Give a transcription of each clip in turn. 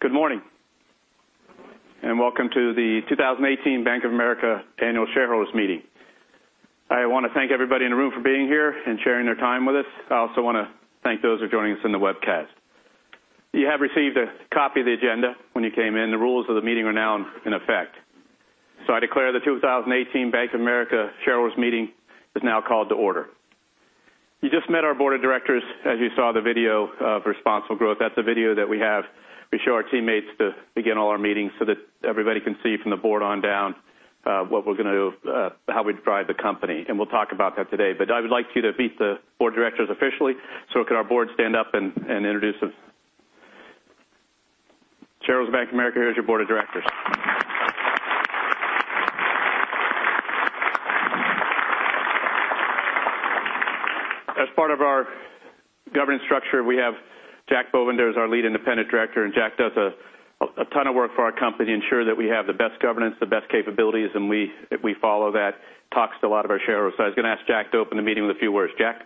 Good morning, welcome to the 2018 Bank of America Annual Shareholders Meeting. I want to thank everybody in the room for being here and sharing their time with us. I also want to thank those who are joining us in the webcast. You have received a copy of the agenda when you came in. The rules of the meeting are now in effect. I declare the 2018 Bank of America Shareholders Meeting is now called to order. You just met our board of directors as you saw the video of Responsible Growth. That's a video that we have. We show our teammates to begin all our meetings so that everybody can see from the board on down how we drive the company, and we'll talk about that today. I would like you to meet the board of directors officially, could our board stand up and introduce themselves? Shareholders of Bank of America, here's your board of directors. As part of our governance structure, we have Jack Bovender, who's our Lead Independent Director, Jack does a ton of work for our company, ensure that we have the best governance, the best capabilities, and we follow that. Talks to a lot of our shareholders. I was going to ask Jack to open the meeting with a few words. Jack?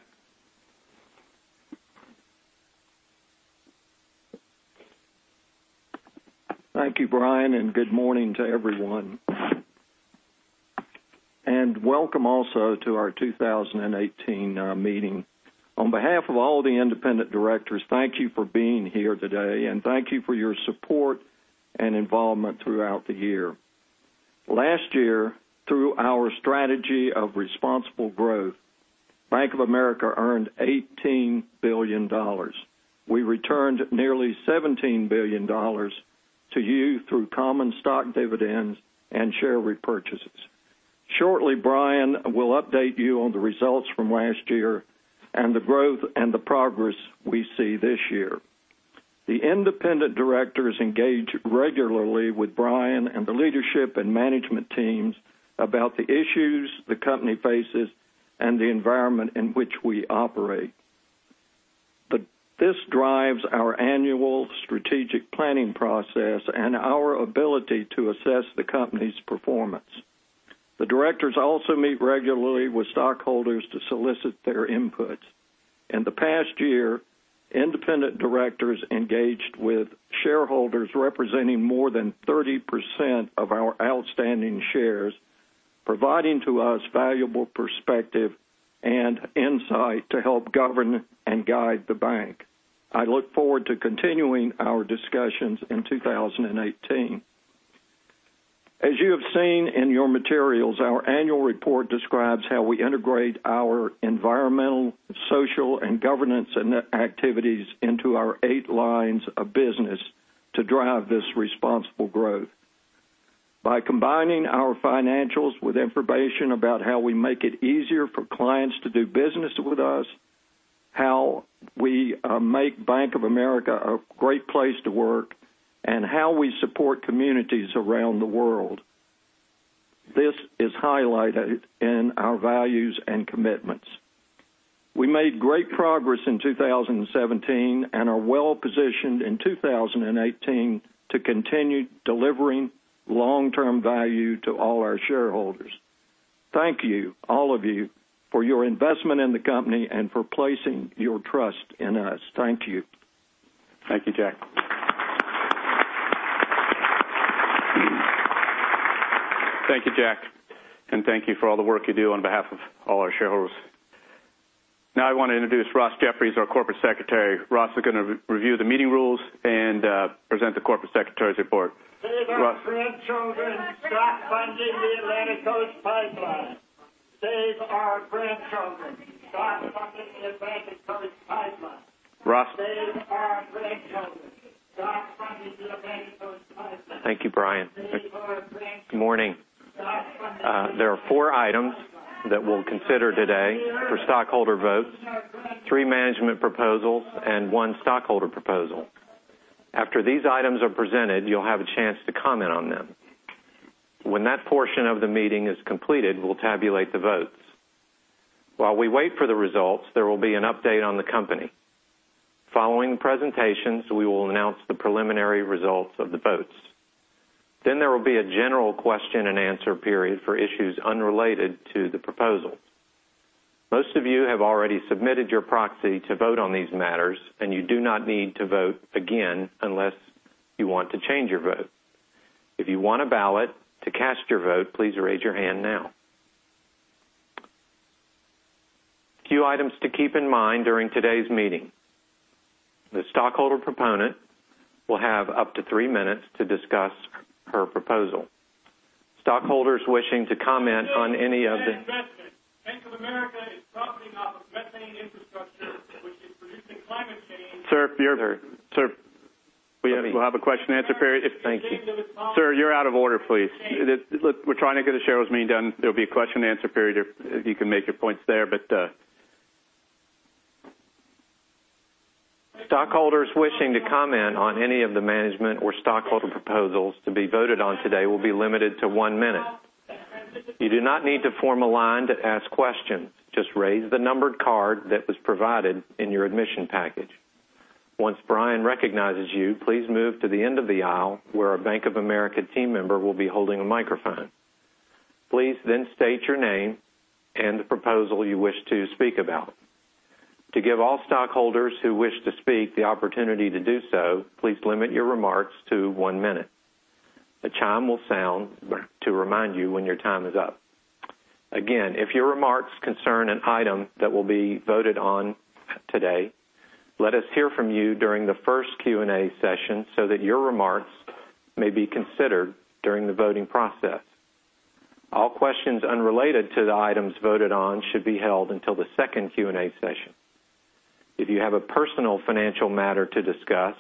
Thank you, Brian, good morning to everyone. Welcome also to our 2018 meeting. On behalf of all the independent directors, thank you for being here today, thank you for your support and involvement throughout the year. Last year, through our strategy of Responsible Growth, Bank of America earned $18 billion. We returned nearly $17 billion to you through common stock dividends and share repurchases. Shortly, Brian will update you on the results from last year and the growth and the progress we see this year. The independent directors engage regularly with Brian and the leadership and management teams about the issues the company faces and the environment in which we operate. This drives our annual strategic planning process and our ability to assess the company's performance. The directors also meet regularly with stockholders to solicit their input. In the past year, independent directors engaged with shareholders representing more than 30% of our outstanding shares, providing to us valuable perspective and insight to help govern and guide the bank. I look forward to continuing our discussions in 2018. As you have seen in your materials, our annual report describes how we integrate our environmental, social, and governance activities into our eight lines of business to drive this Responsible Growth. By combining our financials with information about how we make it easier for clients to do business with us, how we make Bank of America a great place to work, how we support communities around the world. This is highlighted in our values and commitments. We made great progress in 2017 and are well-positioned in 2018 to continue delivering long-term value to all our shareholders. Thank you, all of you, for your investment in the company and for placing your trust in us. Thank you. Thank you, Jack. Thank you, Jack. Thank you for all the work you do on behalf of all our shareholders. Now I want to introduce Ross Jeffries, our Corporate Secretary. Ross is going to review the meeting rules and present the Corporate Secretary's report. Ross? Save our grandchildren. Stop funding the Atlantic Coast Pipeline. Save our grandchildren. Stop funding the Atlantic Coast Pipeline. Ross? Save our grandchildren. Stop funding the Atlantic Coast Pipeline. Thank you, Brian. Save our grandchildren. Good morning. Stop funding the Atlantic Coast Pipeline. There are four items that we'll consider today for stockholder votes, three management proposals and one stockholder proposal. After these items are presented, you'll have a chance to comment on them. When that portion of the meeting is completed, we'll tabulate the votes. While we wait for the results, there will be an update on the company. Following the presentations, we will announce the preliminary results of the votes. There will be a general question and answer period for issues unrelated to the proposal. Most of you have already submitted your proxy to vote on these matters, and you do not need to vote again unless you want to change your vote. If you want a ballot to cast your vote, please raise your hand now. Few items to keep in mind during today's meeting. The stockholder proponent will have up to three minutes to discuss her proposal. Stockholders wishing to comment on any of the- Bank of America is profiting off of methane infrastructure, which is producing climate change. Sir, we'll have a question and answer period. Sir, you're out of order, please. Look, we're trying to get a shareholders meeting done. There will be a question and answer period if you can make your points there. Stockholders wishing to comment on any of the management or stockholder proposals to be voted on today will be limited to one minute. You do not need to form a line to ask questions. Just raise the numbered card that was provided in your admission package. Once Brian recognizes you, please move to the end of the aisle where a Bank of America team member will be holding a microphone. Please then state your name and the proposal you wish to speak about. To give all stockholders who wish to speak the opportunity to do so, please limit your remarks to one minute. A chime will sound to remind you when your time is up. Again, if your remarks concern an item that will be voted on today, let us hear from you during the first Q&A session so that your remarks may be considered during the voting process. All questions unrelated to the items voted on should be held until the second Q&A session. If you have a personal financial matter to discuss,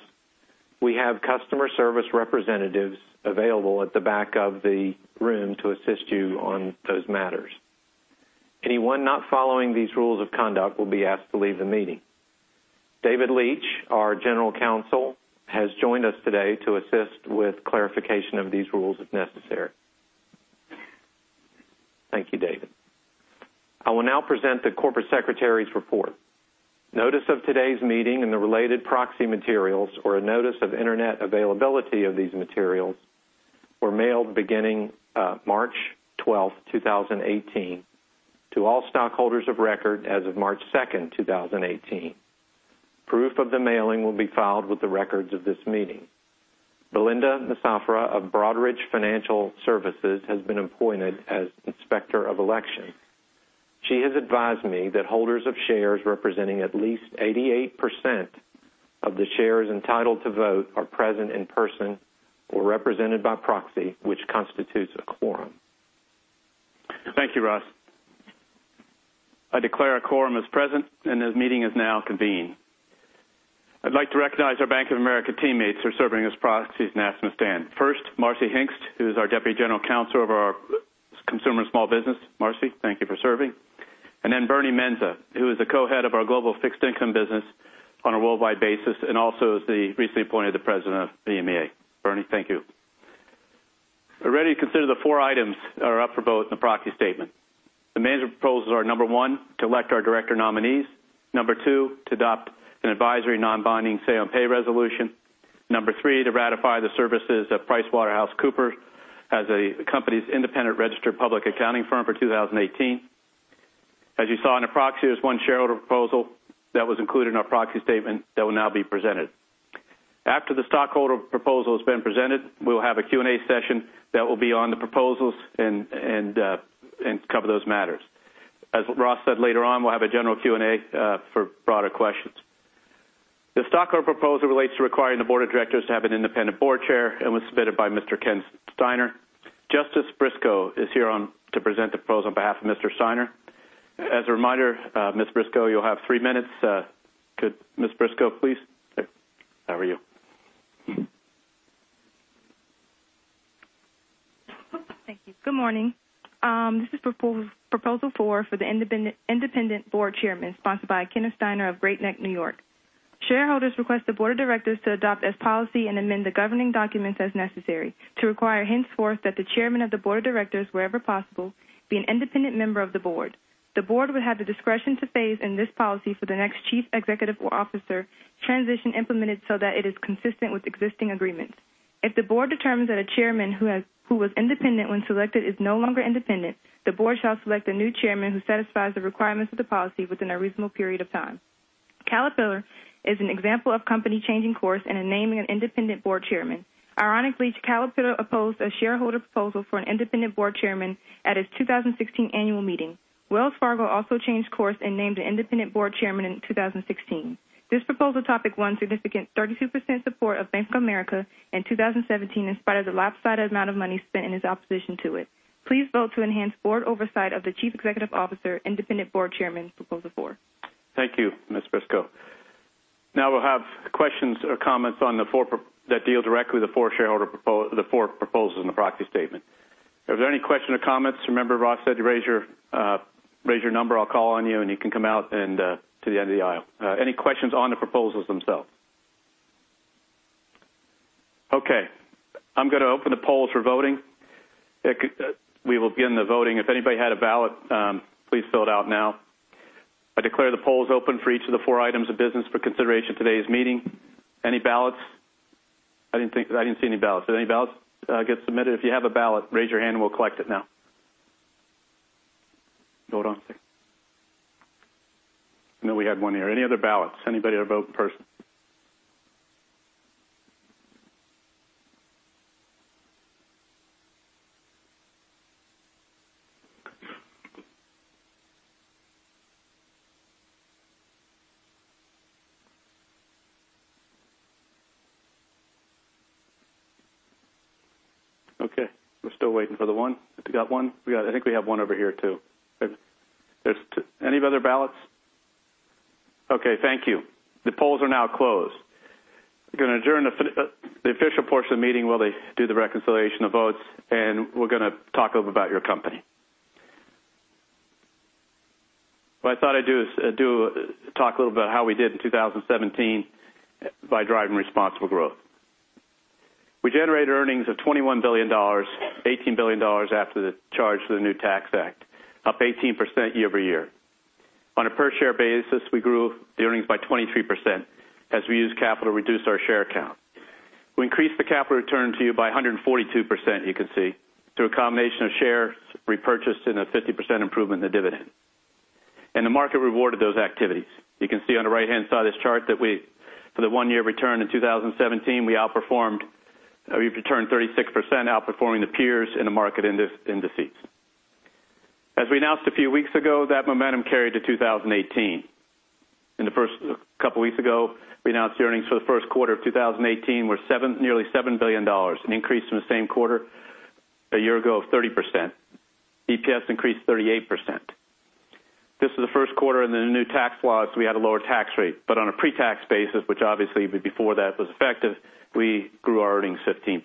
we have customer service representatives available at the back of the room to assist you on those matters. Anyone not following these rules of conduct will be asked to leave the meeting. David Leitch, our General Counsel, has joined us today to assist with clarification of these rules if necessary. Thank you, David. I will now present the Corporate Secretary's report. Notice of today's meeting and the related proxy materials, or a notice of internet availability of these materials, were mailed beginning March 12, 2018, to all stockholders of record as of March 2, 2018. Proof of the mailing will be filed with the records of this meeting. Belinda Massafra of Broadridge Financial Solutions has been appointed as Inspector of Election. She has advised me that holders of shares representing at least 88% of the shares entitled to vote are present in person or represented by proxy, which constitutes a quorum. Thank you, Ross. I declare a quorum is present, this meeting is now convened. I'd like to recognize our Bank of America teammates who are serving as proxies and ask them to stand. First, Marcy Hingst, who is our Deputy General Counsel over our Consumer & Small Business. Marcy, thank you for serving. Then Bernie Mensah, who is the Co-Head of our Global Fixed Income business on a worldwide basis and also is recently appointed the President of BMEA. Bernie, thank you. We're ready to consider the four items that are up for vote in the proxy statement. The management proposals are, number one, to elect our director nominees. Number two, to adopt an advisory non-binding say on pay resolution. Number three, to ratify the services of PricewaterhouseCoopers as the company's independent registered public accounting firm for 2018. As you saw in the proxy, there's one shareholder proposal that was included in our proxy statement that will now be presented. After the stockholder proposal has been presented, we will have a Q&A session that will be on the proposals and cover those matters. As Ross said, later on, we'll have a general Q&A for broader questions. The stockholder proposal relates to requiring the Board of Directors to have an independent board chair and was submitted by Mr. Kenneth Steiner. Justin Briscoe is here to present the proposal on behalf of Mr. Steiner. As a reminder, Ms. Briscoe, you'll have three minutes. Could Ms. Briscoe, please? There you are. Thank you. Good morning. This is Proposal Four for the independent board chairman, sponsored by Kenneth Steiner of Great Neck, N.Y. Shareholders request the board of directors to adopt as policy and amend the governing documents as necessary to require henceforth that the chairman of the board of directors, wherever possible, be an independent member of the board. The board would have the discretion to phase in this policy for the next chief executive officer transition implemented so that it is consistent with existing agreements. If the board determines that a chairman who was independent when selected is no longer independent, the board shall select a new chairman who satisfies the requirements of the policy within a reasonable period of time. Caterpillar is an example of a company changing course and naming an independent board chairman. Ironically, Caterpillar opposed a shareholder proposal for an independent board chairman at its 2016 annual meeting. Wells Fargo also changed course and named an independent board chairman in 2016. This proposal topic won significant 32% support of Bank of America in 2017 in spite of the lopsided amount of money spent in its opposition to it. Please vote to enhance board oversight of the chief executive officer independent board chairman, Proposal Four. Thank you, Ms. Briscoe. Now we'll have questions or comments that deal directly with the four proposals in the proxy statement. If there are any questions or comments, remember Ross said to raise your number. I'll call on you, and you can come out to the end of the aisle. Any questions on the proposals themselves? Okay. I'm going to open the polls for voting. We will begin the voting. If anybody had a ballot, please fill it out now. I declare the polls open for each of the four items of business for consideration at today's meeting. Any ballots? I didn't see any ballots. Did any ballots get submitted? If you have a ballot, raise your hand, and we'll collect it now. Hold on. I know we had one here. Any other ballots? Anybody to vote in person? Okay, we're still waiting for the one. I think we have one over here, too. Any other ballots? Okay, thank you. The polls are now closed. We're going to adjourn the official portion of the meeting while they do the reconciliation of votes, and we're going to talk a little about your company. What I thought I'd do is talk a little about how we did in 2017 by driving responsible growth. We generated earnings of $21 billion, $18 billion after the charge for the new tax act, up 18% year-over-year. On a per-share basis, we grew the earnings by 23% as we used capital to reduce our share count. We increased the capital return to you by 142%, you can see, through a combination of shares repurchased and a 50% improvement in the dividend. The market rewarded those activities. You can see on the right-hand side of this chart that for the one-year return in 2017, we returned 36%, outperforming the peers in the market indices. As we announced a few weeks ago, that momentum carried to 2018. A couple weeks ago, we announced earnings for the first quarter of 2018 were nearly $7 billion, an increase from the same quarter a year ago of 30%. EPS increased 38%. This was the first quarter under the new tax laws, we had a lower tax rate. But on a pre-tax basis, which obviously would be before that was effective, we grew our earnings 15%.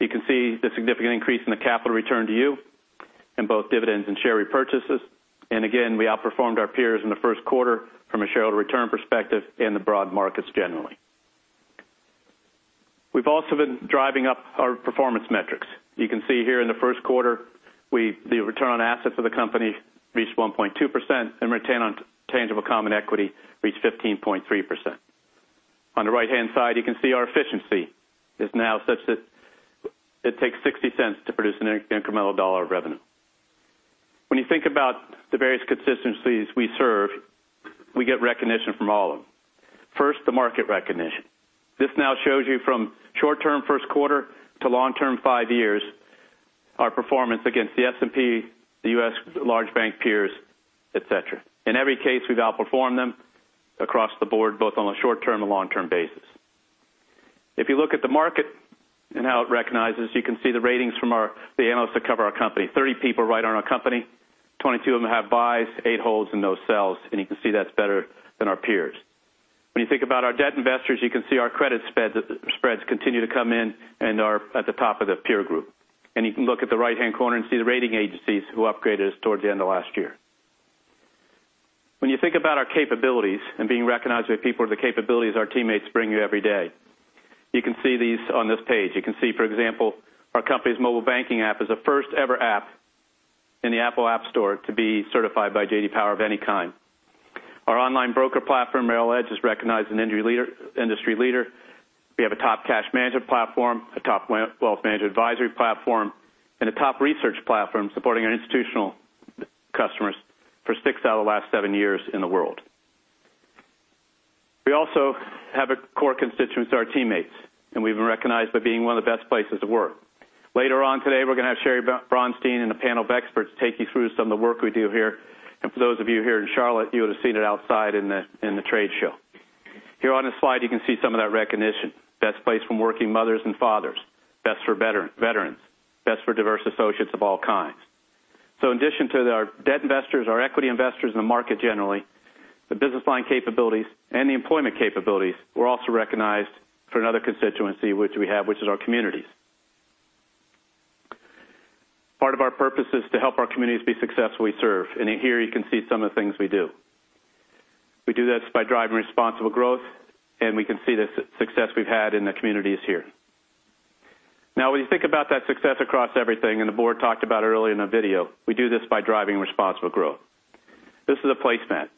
You can see the significant increase in the capital return to you in both dividends and share repurchases. We outperformed our peers in the first quarter from a shareholder return perspective and the broad markets generally. We've also been driving up our performance metrics. You can see here in the first quarter, the return on assets of the company reached 1.2% and return on tangible common equity reached 15.3%. On the right-hand side, you can see our efficiency is now such that it takes $0.60 to produce an incremental dollar of revenue. When you think about the various constituencies we serve, we get recognition from all of them. First, the market recognition. This now shows you from short-term first quarter to long-term 5 years, our performance against the S&P, the U.S. large bank peers, et cetera. In every case, we've outperformed them across the board, both on a short-term and long-term basis. If you look at the market and how it recognizes, you can see the ratings from the analysts that cover our company. 30 people write on our company, 22 of them have buys, 8 holds, and no sells, and you can see that's better than our peers. When you think about our debt investors, you can see our credit spreads continue to come in and are at the top of the peer group. You can look at the right-hand corner and see the rating agencies who upgraded us towards the end of last year. When you think about our capabilities and being recognized by people with the capabilities our teammates bring you every day, you can see these on this page. You can see, for example, our company's mobile banking app is the first-ever app in the Apple App Store to be certified by J.D. Power of any kind. Our online broker platform, Merrill Edge, is recognized as an industry leader. We have a top cash management platform, a top wealth management advisory platform, and a top research platform supporting our institutional customers for 6 out of the last 7 years in the world. We also have a core constituency, our teammates, and we've been recognized for being one of the best places to work. Later on today, we're going to have Sheri Bronstein and a panel of experts take you through some of the work we do here. For those of you here in Charlotte, you would have seen it outside in the trade show. Here on this slide, you can see some of that recognition. Best place for working mothers and fathers, best for veterans, best for diverse associates of all kinds. In addition to our debt investors, our equity investors in the market generally, the business line capabilities, and the employment capabilities, we're also recognized for another constituency which we have, which is our communities. Part of our purpose is to help our communities be successful where we serve, and here you can see some of the things we do. We do this by driving responsible growth, and we can see the success we've had in the communities here. Now, when you think about that success across everything, and the board talked about it earlier in the video, we do this by driving responsible growth. This is a placemat.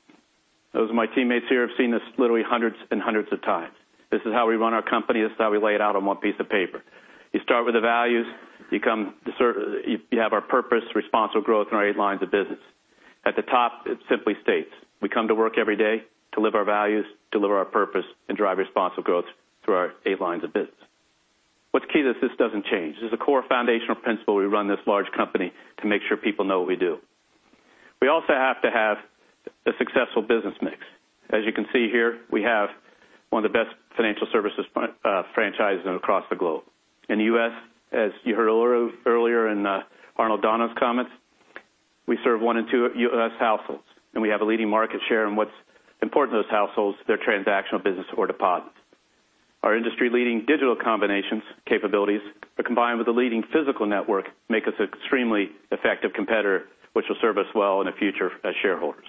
Those of my teammates here have seen this literally hundreds and hundreds of times. This is how we run our company. This is how we lay it out on one piece of paper. You start with the values. You have our purpose, responsible growth, and our eight lines of business. At the top, it simply states, we come to work every day, deliver our values, deliver our purpose, and drive responsible growth through our eight lines of business. What's key is this doesn't change. This is a core foundational principle we run this large company to make sure people know what we do. We also have to have a successful business mix. As you can see here, we have one of the best financial services franchises across the globe. In the U.S., as you heard earlier in Arnold Donald's comments, we serve one in two U.S. households, and we have a leading market share in what's important to those households, their transactional business or deposits. Our industry-leading digital capabilities are combined with a leading physical network make us extremely effective competitor, which will serve us well in the future as shareholders.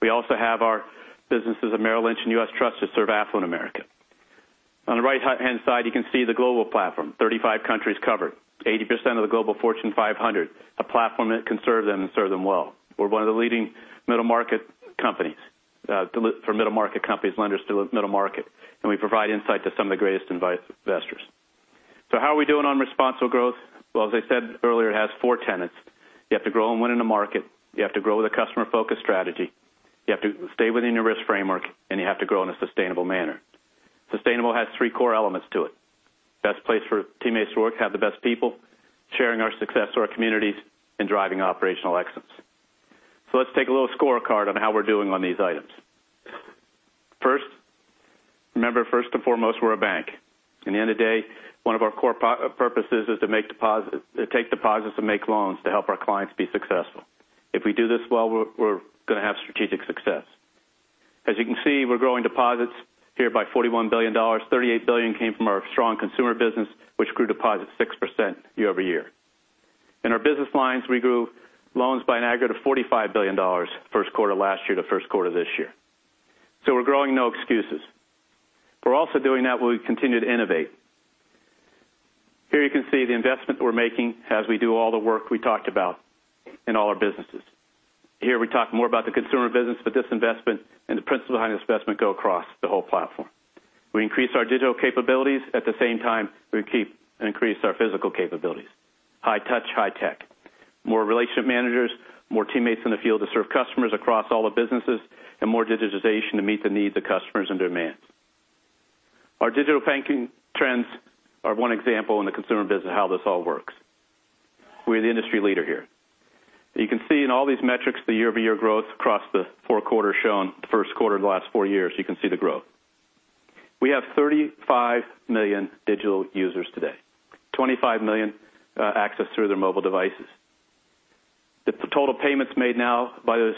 We also have our businesses of Merrill Lynch and U.S. Trust that serve affluent America. On the right-hand side, you can see the global platform. 35 countries covered. 80% of the Fortune Global 500. A platform that can serve them and serve them well. We're one of the leading middle-market companies, for middle-market companies, lenders to middle market, and we provide insight to some of the greatest investors. How are we doing on responsible growth? Well, as I said earlier, it has four tenets. You have to grow and win in the market. You have to grow with a customer-focused strategy. You have to stay within your risk framework, and you have to grow in a sustainable manner. Sustainable has three core elements to it. Best place for teammates to work, have the best people, sharing our success to our communities, and driving operational excellence. Let's take a little scorecard on how we're doing on these items. First, remember, first and foremost, we're a bank. At the end of the day, one of our core purposes is to take deposits and make loans to help our clients be successful. If we do this well, we're going to have strategic success. As you can see, we're growing deposits here by $41 billion. $38 billion came from our strong consumer business, which grew deposits 6% year-over-year. In our business lines, we grew loans by an aggregate of $45 billion first quarter last year to first quarter this year. We're growing, no excuses. We're also doing that while we continue to innovate. Here you can see the investment we're making as we do all the work we talked about in all our businesses. Here we talk more about the consumer business, this investment and the principle behind this investment go across the whole platform. We increase our digital capabilities. At the same time, we keep and increase our physical capabilities. High touch, high tech, more relationship managers, more teammates in the field to serve customers across all the businesses, and more digitization to meet the needs of customers and demands. Our digital banking trends are one example in the consumer business of how this all works. We're the industry leader here. You can see in all these metrics the year-over-year growth across the four quarters shown, the first quarter of the last four years, you can see the growth. We have 35 million digital users today. 25 million access through their mobile devices. The total payments made now by those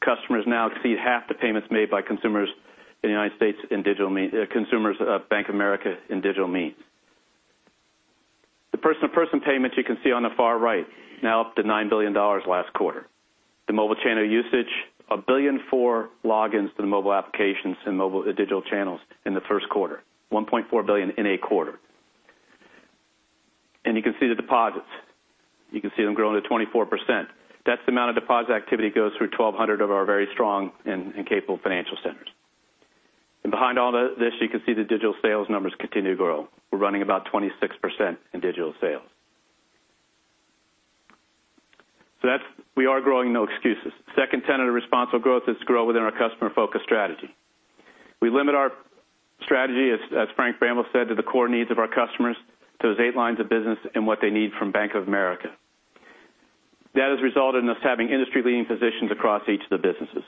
customers now exceed half the payments made by consumers in the U.S. in digital means. Consumers of Bank of America in digital means. The person-to-person payments you can see on the far right, now up to $9 billion last quarter. The mobile channel usage, 1.4 billion logins to the mobile applications and mobile digital channels in the first quarter, 1.4 billion in a quarter. You can see the deposits. You can see them growing at 24%. That's the amount of deposit activity goes through 1,200 of our very strong and capable financial centers. Behind all this, you can see the digital sales numbers continue to grow. We're running about 26% in digital sales. We are growing, no excuses. Second tenet of responsible growth is to grow within our customer-focused strategy. We limit our strategy, as Frank Bramble said, to the core needs of our customers, to those eight lines of business and what they need from Bank of America. That has resulted in us having industry-leading positions across each of the businesses.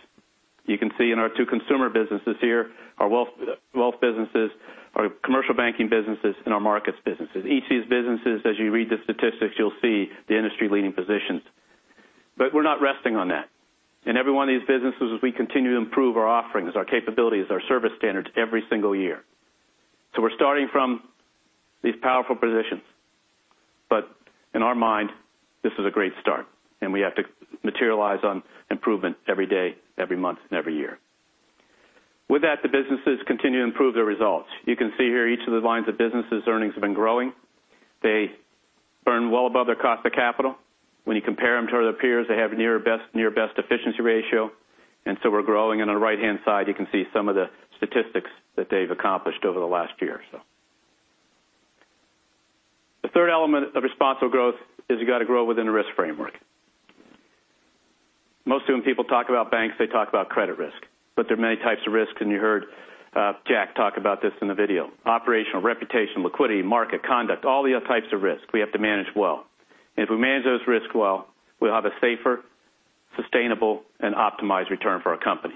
You can see in our two consumer businesses here, our wealth businesses, our commercial banking businesses, and our markets businesses. Each of these businesses, as you read the statistics, you'll see the industry-leading positions. We're not resting on that. In every one of these businesses, we continue to improve our offerings, our capabilities, our service standards every single year. We're starting from these powerful positions. In our mind, this is a great start, and we have to materialize on improvement every day, every month, and every year. With that, the businesses continue to improve their results. You can see here each of the lines of businesses' earnings have been growing. They earn well above their cost of capital. When you compare them to their peers, they have near-best efficiency ratio, we're growing. On the right-hand side, you can see some of the statistics that they've accomplished over the last year or so. The third element of responsible growth is you got to grow within a risk framework. Mostly when people talk about banks, they talk about credit risk, there are many types of risks, and you heard Jack talk about this in the video. Operational, reputation, liquidity, market, conduct, all the other types of risk we have to manage well. If we manage those risks well, we'll have a safer, sustainable, and optimized return for our company.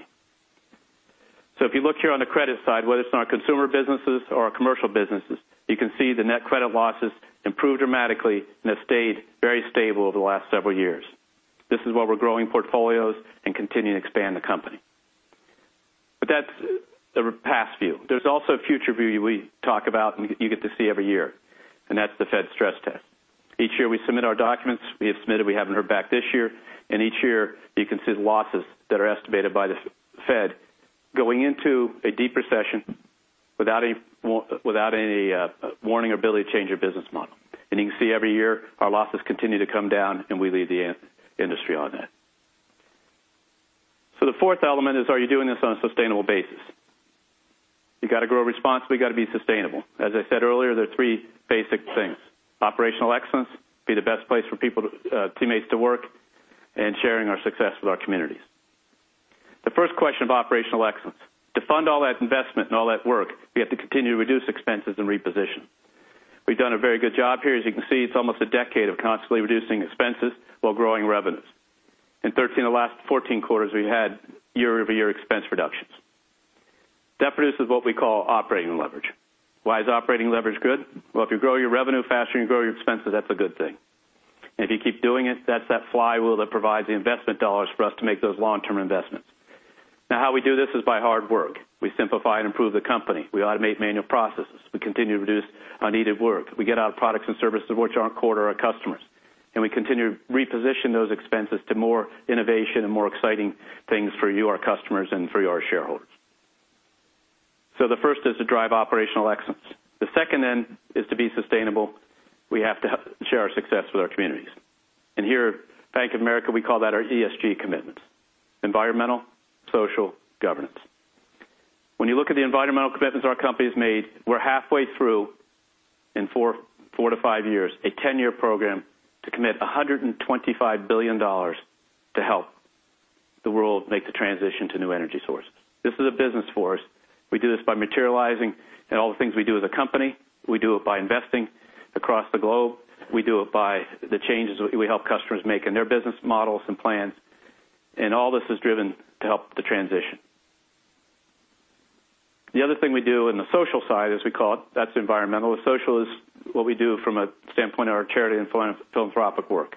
If you look here on the credit side, whether it's in our consumer businesses or our commercial businesses, you can see the net credit losses improved dramatically and have stayed very stable over the last several years. This is while we're growing portfolios and continuing to expand the company. That's the past view. There's also a future view we talk about, and you get to see every year, and that's the Fed stress test. Each year we submit our documents. We have submitted, we haven't heard back this year. Each year, you can see the losses that are estimated by the Fed going into a deep recession without any warning or ability to change your business model. You can see every year our losses continue to come down, and we lead the industry on that. The fourth element is, are you doing this on a sustainable basis? You got to grow responsibly, you got to be sustainable. As I said earlier, there are three basic things. Operational excellence, be the best place for teammates to work, and sharing our success with our communities. The first question of operational excellence, to fund all that investment and all that work, we have to continue to reduce expenses and reposition. We've done a very good job here. As you can see, it's almost a decade of constantly reducing expenses while growing revenues. In 13 of the last 14 quarters, we've had year-over-year expense reductions. That produces what we call operating leverage. Why is operating leverage good? If you grow your revenue faster than you grow your expenses, that's a good thing. If you keep doing it, that's that flywheel that provides the investment dollars for us to make those long-term investments. Now, how we do this is by hard work. We simplify and improve the company. We automate manual processes. We continue to reduce unneeded work. We get out products and services which aren't core to our customers, and we continue to reposition those expenses to more innovation and more exciting things for you, our customers, and for your shareholders. The first is to drive operational excellence. The second then is to be sustainable. We have to share our success with our communities. Here at Bank of America, we call that our ESG commitments, environmental, social, governance. When you look at the environmental commitments our company's made, we're halfway through in four to five years, a 10-year program to commit $125 billion to help the world make the transition to new energy source. This is a business for us. We do this by materializing in all the things we do as a company. We do it by investing across the globe. We do it by the changes we help customers make in their business models and plans. All this is driven to help the transition. The other thing we do in the social side, as we call it, that's environmental. Social is what we do from a standpoint of our charity and philanthropic work.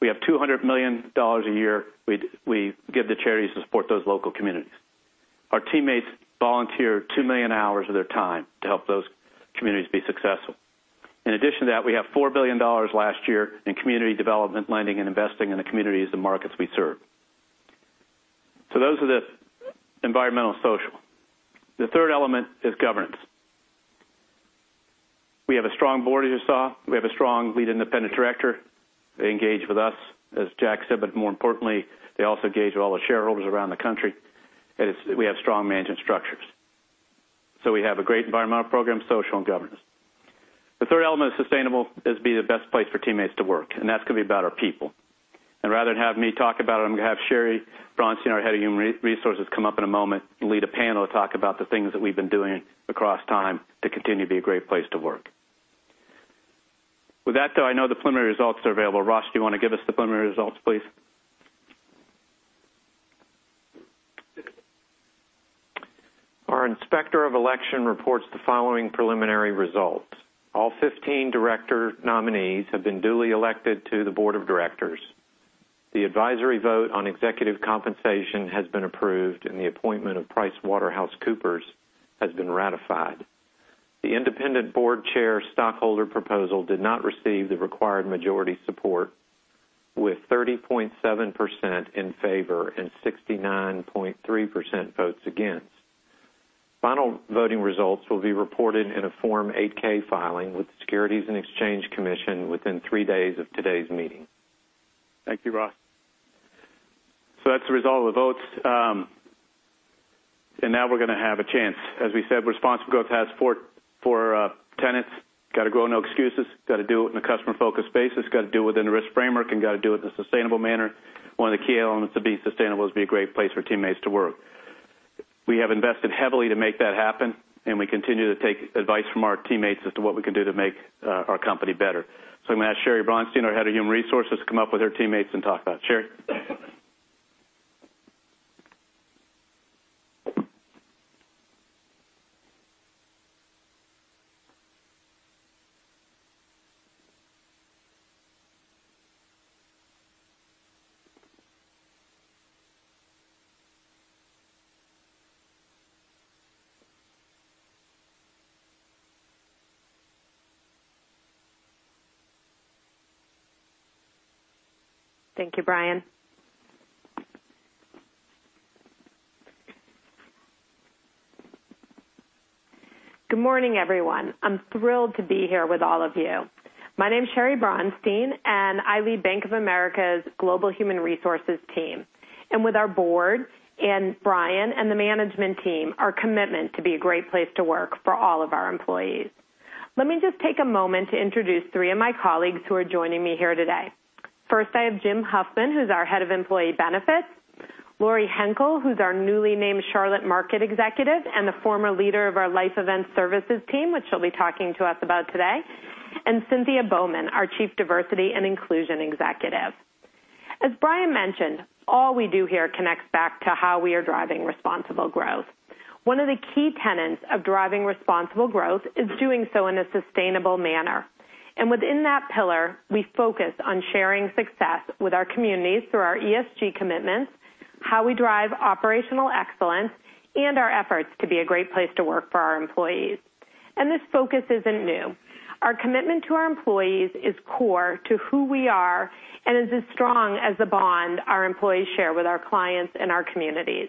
We have $200 million a year we give to charities to support those local communities. Our teammates volunteer two million hours of their time to help those communities be successful. In addition to that, we have $4 billion last year in community development lending and investing in the communities and markets we serve. Those are the environmental and social. The third element is governance. We have a strong board, as you saw. We have a strong lead independent director. They engage with us, as Jack said, but more importantly, they also engage with all the shareholders around the country. We have strong management structures. We have a great environmental program, social, and governance. The third element of sustainable is be the best place for teammates to work, and that's going to be about our people. Rather than have me talk about it, I'm going to have Sheri Bronstein, our head of human resources, come up in a moment and lead a panel to talk about the things that we've been doing across time to continue to be a great place to work. With that, though, I know the preliminary results are available. Ross, do you want to give us the preliminary results, please? Our Inspector of Election reports the following preliminary results. All 15 director nominees have been duly elected to the board of directors. The advisory vote on executive compensation has been approved, and the appointment of PricewaterhouseCoopers has been ratified. The independent board chair stockholder proposal did not receive the required majority support, with 30.7% in favor and 69.3% votes against. Final voting results will be reported in a Form 8-K filing with the Securities and Exchange Commission within three days of today's meeting. Thank you, Ross. That's the result of the votes. Now we're going to have a chance. As we said, responsible growth has four tenets. Got to grow, no excuses. Got to do it in a customer-focused basis. Got to do it within a risk framework, and got to do it in a sustainable manner. One of the key elements to be sustainable is be a great place for teammates to work. We have invested heavily to make that happen, and we continue to take advice from our teammates as to what we can do to make our company better. I'm going to ask Sheri Bronstein, our head of human resources, to come up with her teammates and talk about it. Sheri? Thank you, Brian. Good morning, everyone. I'm thrilled to be here with all of you. My name's Sheri Bronstein, and I lead Bank of America's Global Human Resources team. With our board and Brian and the management team, our commitment to be a great place to work for all of our employees. Let me just take a moment to introduce three of my colleagues who are joining me here today. First, I have Jim Huffman, who's our Head of Employee Benefits, Lori Henkel, who's our newly named Charlotte Market Executive and the former leader of our Life Event Services team, which she'll be talking to us about today, and Cynthia Bowman, our Chief Diversity and Inclusion Executive. As Brian mentioned, all we do here connects back to how we are driving responsible growth. One of the key tenets of driving responsible growth is doing so in a sustainable manner. Within that pillar, we focus on sharing success with our communities through our ESG commitments, how we drive operational excellence, and our efforts to be a great place to work for our employees. This focus isn't new. Our commitment to our employees is core to who we are and is as strong as the bond our employees share with our clients and our communities.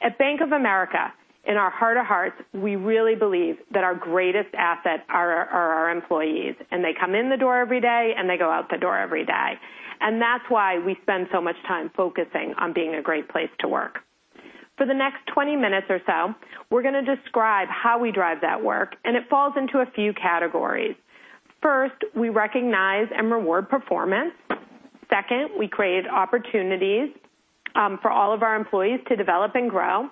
At Bank of America, in our heart of hearts, we really believe that our greatest assets are our employees, and they come in the door every day, and they go out the door every day. That's why we spend so much time focusing on being a great place to work. For the next 20 minutes or so, we're going to describe how we drive that work, and it falls into a few categories. First, we recognize and reward performance. Second, we create opportunities for all of our employees to develop and grow.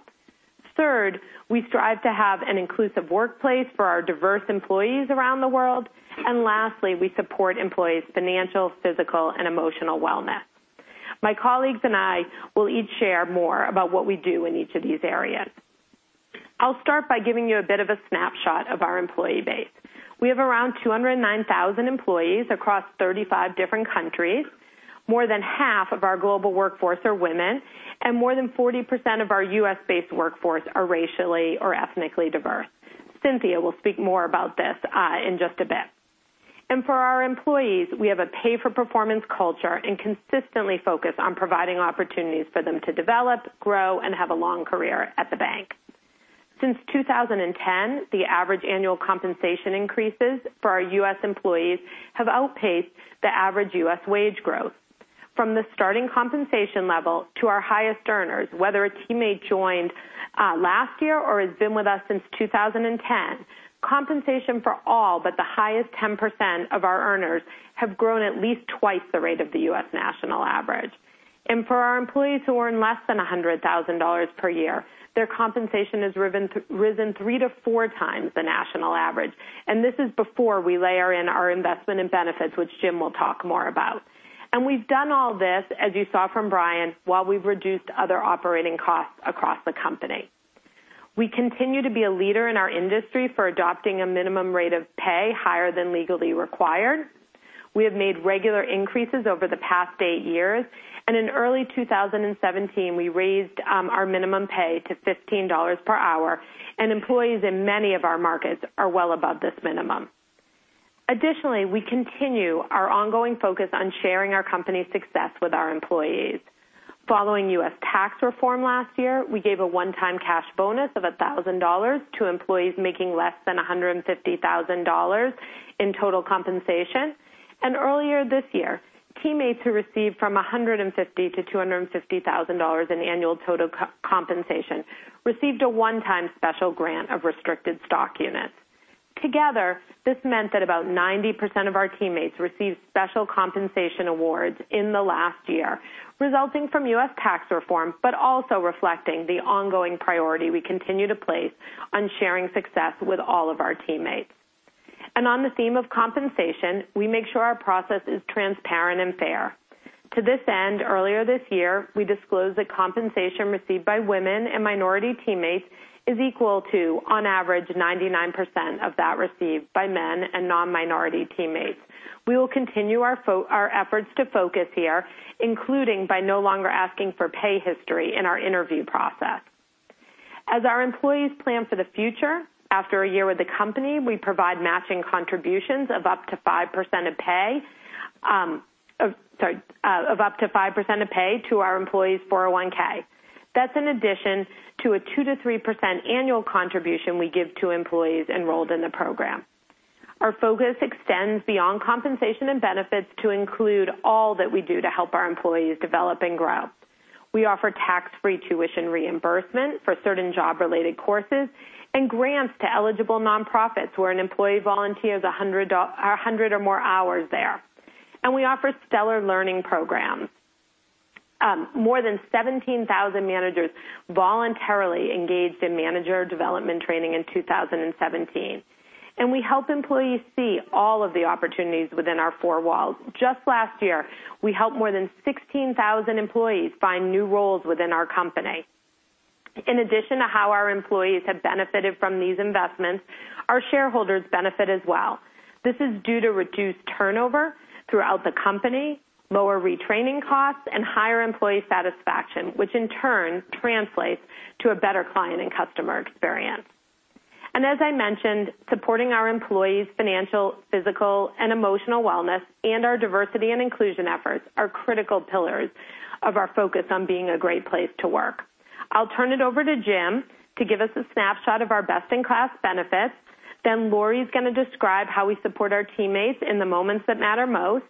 Third, we strive to have an inclusive workplace for our diverse employees around the world. Lastly, we support employees' financial, physical, and emotional wellness. My colleagues and I will each share more about what we do in each of these areas. I'll start by giving you a bit of a snapshot of our employee base. We have around 209,000 employees across 35 different countries. More than half of our global workforce are women, and more than 40% of our U.S.-based workforce are racially or ethnically diverse. Cynthia will speak more about this in just a bit. For our employees, we have a pay-for-performance culture and consistently focus on providing opportunities for them to develop, grow, and have a long career at the bank. Since 2010, the average annual compensation increases for our U.S. employees have outpaced the average U.S. wage growth. From the starting compensation level to our highest earners, whether a teammate joined last year or has been with us since 2010, compensation for all but the highest 10% of our earners have grown at least twice the rate of the U.S. national average. For our employees who earn less than $100,000 per year, their compensation has risen three to four times the national average. This is before we layer in our investment in benefits, which Jim will talk more about. We've done all this, as you saw from Brian, while we've reduced other operating costs across the company. We continue to be a leader in our industry for adopting a minimum rate of pay higher than legally required. We have made regular increases over the past eight years, in early 2017, we raised our minimum pay to $15 per hour, and employees in many of our markets are well above this minimum. Additionally, we continue our ongoing focus on sharing our company's success with our employees. Following U.S. tax reform last year, we gave a one-time cash bonus of $1,000 to employees making less than $150,000 in total compensation. Earlier this year, teammates who received from $150,000-$250,000 in annual total compensation received a one-time special grant of restricted stock units. Together, this meant that about 90% of our teammates received special compensation awards in the last year, resulting from U.S. tax reform, but also reflecting the ongoing priority we continue to place on sharing success with all of our teammates. On the theme of compensation, we make sure our process is transparent and fair. To this end, earlier this year, we disclosed that compensation received by women and minority teammates is equal to, on average, 99% of that received by men and non-minority teammates. We will continue our efforts to focus here, including by no longer asking for pay history in our interview process. As our employees plan for the future, after a year with the company, we provide matching contributions of up to 5% of pay to our employees' 401(k). That's in addition to a 2%-3% annual contribution we give to employees enrolled in the program. Our focus extends beyond compensation and benefits to include all that we do to help our employees develop and grow. We offer tax-free tuition reimbursement for certain job-related courses and grants to eligible nonprofits where an employee volunteers 100 or more hours there. We offer stellar learning programs. More than 17,000 managers voluntarily engaged in manager development training in 2017. We help employees see all of the opportunities within our four walls. Just last year, we helped more than 16,000 employees find new roles within our company. In addition to how our employees have benefited from these investments, our shareholders benefit as well. This is due to reduced turnover throughout the company, lower retraining costs, and higher employee satisfaction, which in turn translates to a better client and customer experience. As I mentioned, supporting our employees' financial, physical, and emotional wellness and our Diversity and Inclusion efforts are critical pillars of our focus on being a great place to work. I'll turn it over to Jim to give us a snapshot of our best-in-class benefits. Lori's going to describe how we support our teammates in the moments that matter most.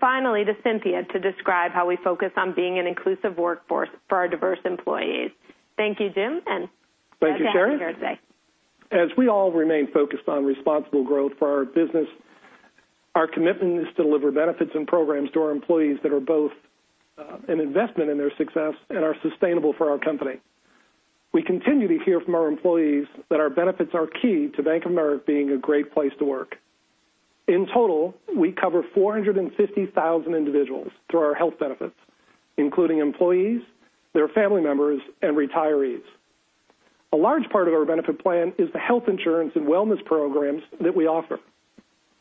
Finally, to Cynthia to describe how we focus on being an inclusive workforce for our diverse employees. Thank you, Jim, and glad to have you here today. Thank you, Sheri. As we all remain focused on responsible growth for our business, our commitment is to deliver benefits and programs to our employees that are both an investment in their success and are sustainable for our company. We continue to hear from our employees that our benefits are key to Bank of America being a great place to work. In total, we cover 450,000 individuals through our health benefits, including employees, their family members, and retirees. A large part of our benefit plan is the health insurance and wellness programs that we offer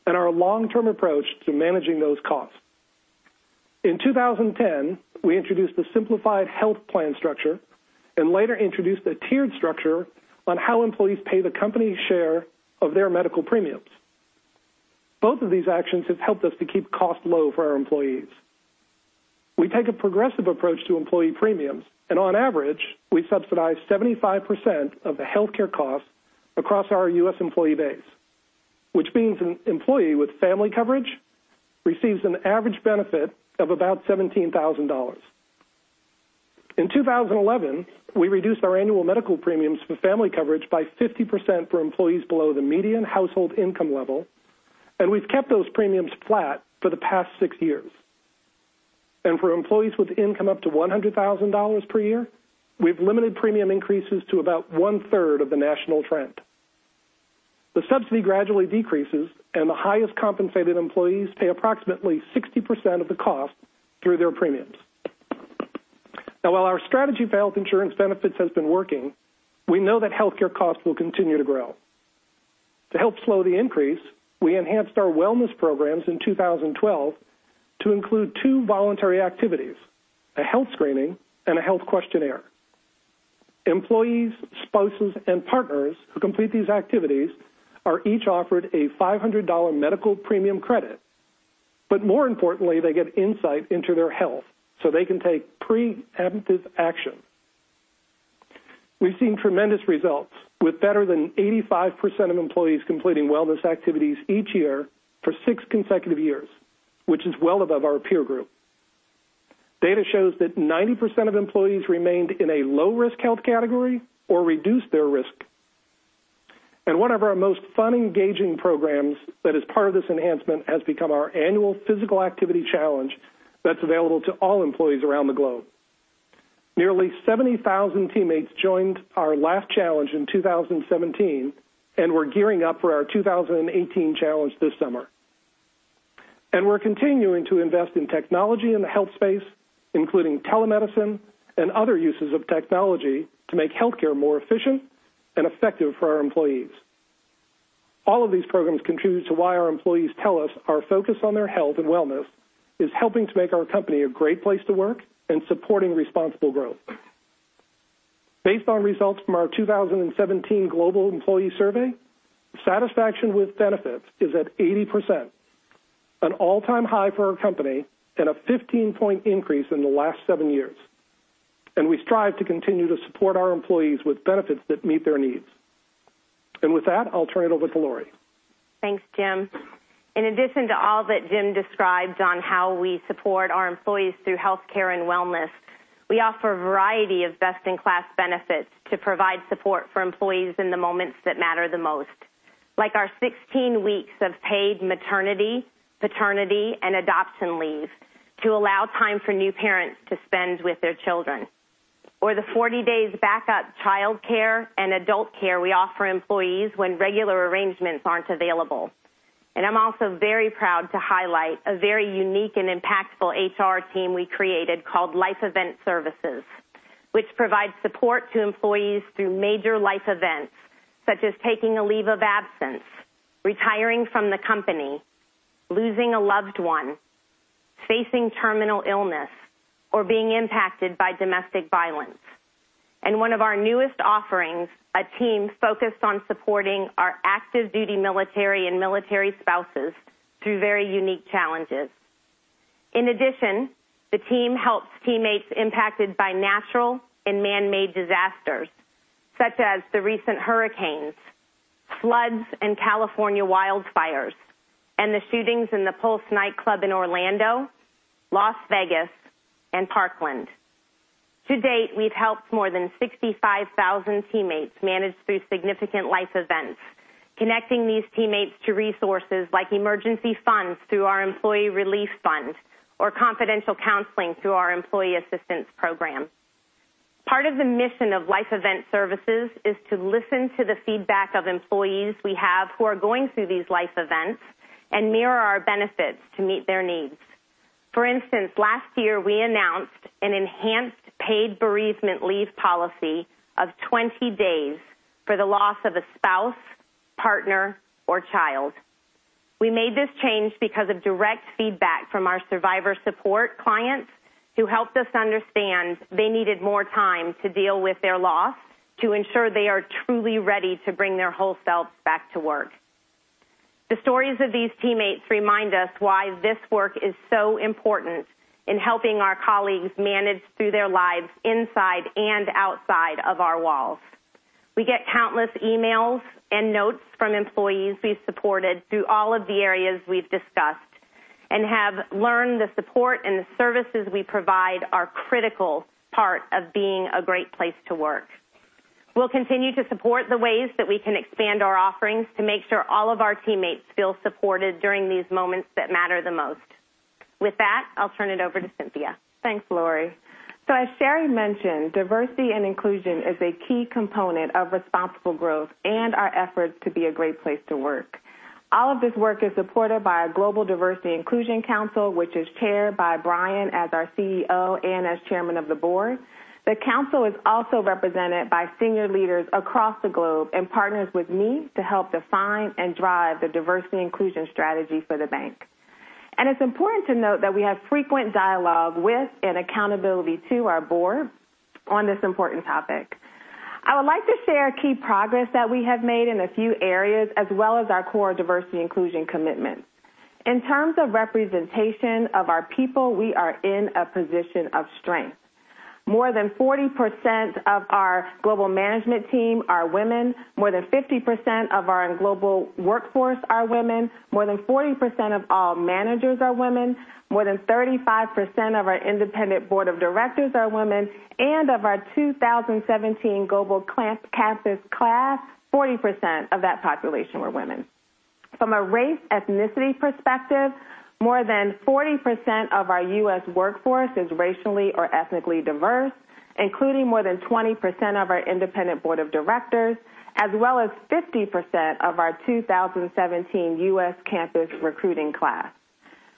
and our long-term approach to managing those costs. In 2010, we introduced the simplified health plan structure and later introduced a tiered structure on how employees pay the company's share of their medical premiums. Both of these actions have helped us to keep costs low for our employees. We take a progressive approach to employee premiums. On average, we subsidize 75% of the healthcare costs across our U.S. employee base, which means an employee with family coverage receives an average benefit of about $17,000. In 2011, we reduced our annual medical premiums for family coverage by 50% for employees below the median household income level. We've kept those premiums flat for the past six years. For employees with income up to $100,000 per year, we've limited premium increases to about one-third of the national trend. The subsidy gradually decreases. The highest compensated employees pay approximately 60% of the cost through their premiums. While our strategy for health insurance benefits has been working, we know that healthcare costs will continue to grow. To help slow the increase, we enhanced our wellness programs in 2012 to include two voluntary activities, a health screening and a health questionnaire. Employees, spouses, and partners who complete these activities are each offered a $500 medical premium credit. More importantly, they get insight into their health so they can take preemptive action. We've seen tremendous results, with better than 85% of employees completing wellness activities each year for six consecutive years, which is well above our peer group. Data shows that 90% of employees remained in a low-risk health category or reduced their risk. One of our most fun, engaging programs that is part of this enhancement has become our annual physical activity challenge that's available to all employees around the globe. Nearly 70,000 teammates joined our last challenge in 2017, and we're gearing up for our 2018 challenge this summer. We're continuing to invest in technology in the health space, including telemedicine and other uses of technology to make healthcare more efficient and effective for our employees. All of these programs contribute to why our employees tell us our focus on their health and wellness is helping to make our company a great place to work and supporting responsible growth. Based on results from our 2017 global employee survey, satisfaction with benefits is at 80%, an all-time high for our company and a 15-point increase in the last seven years. We strive to continue to support our employees with benefits that meet their needs. With that, I'll turn it over to Lori. Thanks, Jim. In addition to all that Jim described on how we support our employees through healthcare and wellness, we offer a variety of best-in-class benefits to provide support for employees in the moments that matter the most, like our 16 weeks of paid maternity, paternity, and adoption leave to allow time for new parents to spend with their children. Or the 40 days backup childcare and adult care we offer employees when regular arrangements aren't available. I'm also very proud to highlight a very unique and impactful HR team we created called Life Event Services, which provides support to employees through major life events, such as taking a leave of absence, retiring from the company, losing a loved one, facing terminal illness, or being impacted by domestic violence. One of our newest offerings, a team focused on supporting our active duty military and military spouses through very unique challenges. In addition, the team helps teammates impacted by natural and man-made disasters, such as the recent hurricanes, floods, and California wildfires, and the shootings in the Pulse nightclub in Orlando, Las Vegas, and Parkland. To date, we've helped more than 65,000 teammates manage through significant life events, connecting these teammates to resources like emergency funds through our employee relief fund or confidential counseling through our employee assistance program. Part of the mission of Life Event Services is to listen to the feedback of employees we have who are going through these life events and mirror our benefits to meet their needs. For instance, last year we announced an enhanced paid bereavement leave policy of 20 days for the loss of a spouse, partner, or child. We made this change because of direct feedback from our survivor support clients who helped us understand they needed more time to deal with their loss to ensure they are truly ready to bring their whole selves back to work. The stories of these teammates remind us why this work is so important in helping our colleagues manage through their lives inside and outside of our walls. We get countless emails and notes from employees we've supported through all of the areas we've discussed and have learned the support and the services we provide are critical part of being a great place to work. We'll continue to support the ways that we can expand our offerings to make sure all of our teammates feel supported during these moments that matter the most. With that, I'll turn it over to Cynthia. Thanks, Lori. As Sheri mentioned, diversity and inclusion is a key component of responsible growth and our efforts to be a great place to work. All of this work is supported by our Global Diversity & Inclusion Council, which is chaired by Brian as our CEO and as chairman of the board. The council is also represented by senior leaders across the globe and partners with me to help define and drive the diversity inclusion strategy for the bank. It's important to note that we have frequent dialogue with and accountability to our board on this important topic. I would like to share key progress that we have made in a few areas, as well as our core diversity inclusion commitments. In terms of representation of our people, we are in a position of strength. More than 40% of our global management team are women. More than 50% of our global workforce are women. More than 40% of all managers are women. More than 35% of our independent board of directors are women. Of our 2017 global campus class, 40% of that population were women. From a race ethnicity perspective, more than 40% of our U.S. workforce is racially or ethnically diverse, including more than 20% of our independent board of directors, as well as 50% of our 2017 U.S. campus recruiting class.